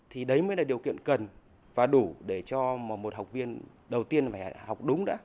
thì đấy mới là điều kiện cần và đủ để cho một học viên đầu tiên phải học đúng đã